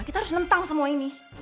kita harus nentang semua ini